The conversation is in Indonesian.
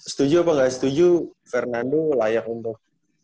setuju atau gak setuju fernando layak untuk